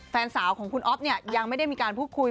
แฟนสาวของคุณอ๊อฟเนี่ยยังไม่ได้มีการพูดคุย